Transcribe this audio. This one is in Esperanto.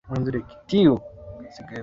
Tiu!